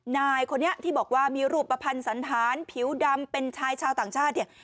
นายคนนี้ที่บอกว่ามีรูปภัณฑ์สันธารผิวดำเป็นชายชาวต่างชาติเนี่ย